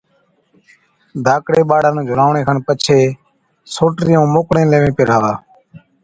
ڌاڪڙي ٻاڙا نُون جھُلاوَڻي کن پڇي سوٽرِي ائُون موڪڙين ليوين پيهراوا۔